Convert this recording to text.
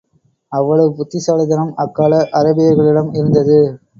அவ்வளவு புத்திசாலித்தனம் அக்கால அரேபியர்களிடம் இருந்தது.